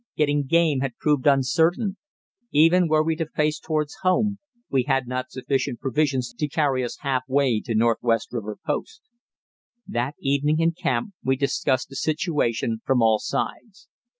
Getting game had proved uncertain. Even were we to face towards home, we had not sufficient provisions to carry us half way to Northwest River Post. That Thursday evening in camp we discussed the situation from all sides.